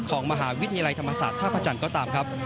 ของมหาวิทยาลัยธรรมศาสตร์ท่าพระจันทร์ก็ตามครับ